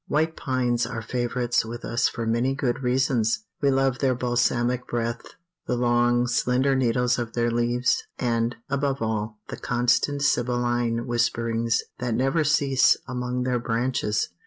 White pines are favorites with us for many good reasons. We love their balsamic breath, the long, slender needles of their leaves, and, above all, the constant sibylline whisperings that never cease among their branches.